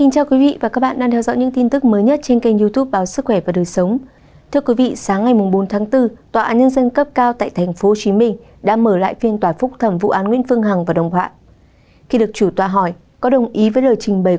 các bạn hãy đăng ký kênh để ủng hộ kênh của chúng mình nhé